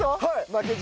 負けじと。